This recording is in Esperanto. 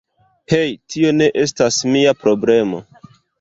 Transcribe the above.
Hej, tio ne estas mia problemo